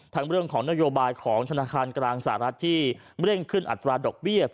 เรื่องของนโยบายของธนาคารกลางสหรัฐที่เร่งขึ้นอัตราดอกเบี้ย